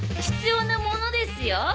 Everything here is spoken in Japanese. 必要なものですよ。